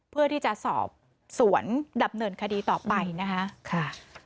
เพื่อที่จะสอบสวนดำเนินคดีต่อไปนะคะ